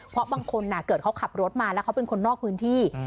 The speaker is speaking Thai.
เพราะบางคนเกิดเขาขับรถมาแล้วเขาเป็นคนนอกพื้นที่